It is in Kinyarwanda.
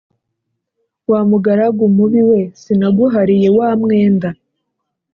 Wa mugaragu mubi we sinaguhariye wa mwenda